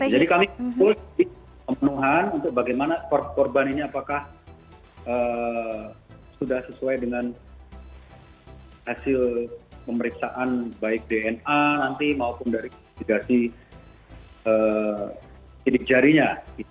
jadi kami pun dikepenuhan untuk bagaimana korban ini apakah sudah sesuai dengan hasil pemeriksaan baik dna nanti maupun dari kondisi hidup jarinya